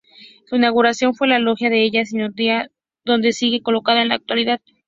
Su inauguración fue en la "Loggia della Signoria", donde sigue colocada en la actualidad.